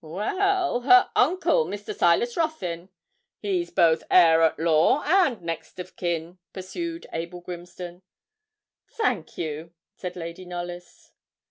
'Well, her uncle, Mr. Silas Ruthyn. He's both heir at law and next of kin,' pursued Abel Grimston. 'Thank you,' said Lady Knollys.